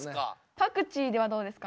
パクチーどうですか？